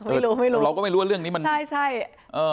แล้วเราก็ไม่รู้ว่าเรื่องนี้ไม่มีแล้ว